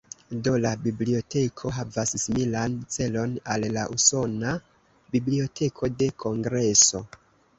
Do, la biblioteko havas similan celon al la usona Biblioteko de Kongreso.